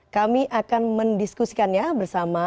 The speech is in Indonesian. kami akan mendiskusikannya bersama